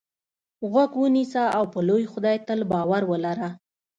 غوږ ونیسه او په لوی خدای تل باور ولره.